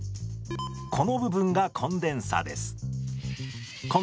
この部分がコンデンサです。